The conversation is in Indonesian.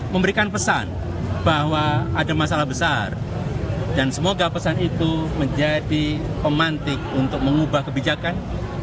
memberikan pesan bahwa ada masalah besar dan semoga pesan itu menjadi pemantik untuk mengubah kebijakan